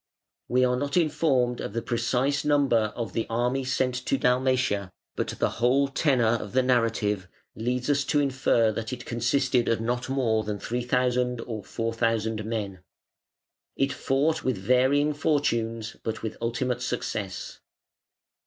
We are not informed of the precise number of the army sent to Dalmatia, but the whole tenor of the narrative leads us to infer that it consisted of not more than 3,000 or 4,000 men. It fought with varying fortunes but with ultimate success.